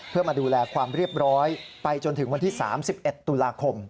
เพื่อมาดูแลความเรียบร้อยไปจนถึงวันที่๓๑ตุลาคม